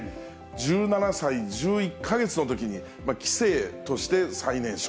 １７歳１１か月のときに棋聖として最年少。